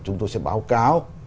chúng tôi sẽ báo cáo